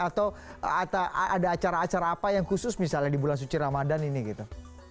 atau ada acara acara apa yang khusus misalnya di bulan suci ramadhan ini gitu